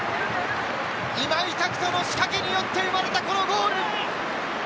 今井拓人の仕掛けによって生まれたこのゴール！